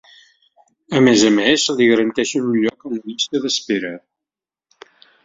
A més a més, li garanteixen un lloc en la llista d'espera.